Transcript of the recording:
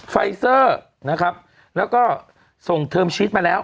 ไฟเซอร์นะครับแล้วก็ส่งเทอมชีสมาแล้ว